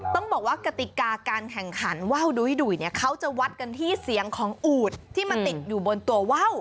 ต้องบอกว่ากติกาการแข่งขันว่าวดุ้ยเนี่ยเขาจะวัดกันที่เสียงของอูดที่มันติดอยู่บนตัวว่าว